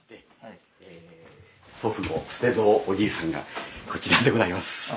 祖父の捨蔵おじいさんがこちらでございます。